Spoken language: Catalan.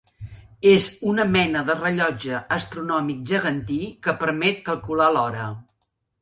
És una mena de rellotge astronòmic gegantí que permet calcular l'hora.